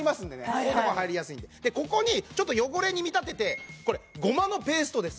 こういうとこ入りやすいんでここにちょっと汚れに見立ててこれごまのペーストです